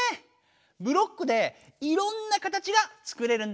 ブロックでいろんな形がつくれるんだね。